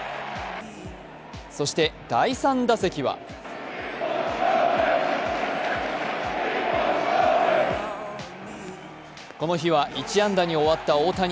そして第３打席はこの日は１安打に終わった大谷。